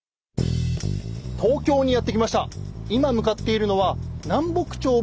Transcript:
東京にやって来ました。